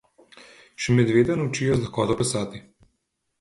Še medveda naučijo z lakoto plesati.